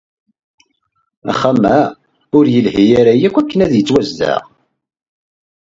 Axxam-a ur yelhi ara akk akken ad yettwazdeɣ.